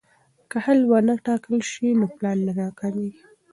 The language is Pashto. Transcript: که حل ونه ټاکل شي نو پلان ناکامېږي.